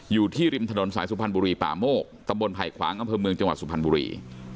อยู่ที่ริมถนนสายสุพรรณบุรีป่าโมกตำบลไผ่ขวางอำเภอเมืองจังหวัดสุพรรณบุรี